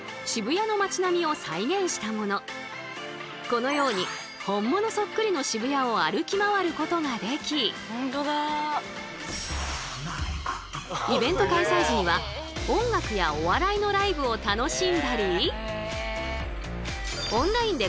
こちらはこのように本物そっくりの渋谷を歩き回ることができイベント開催時には音楽やお笑いのライブを楽しんだり。